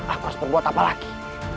aku harus berbuat apa lagi